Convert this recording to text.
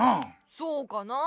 そうかなあ？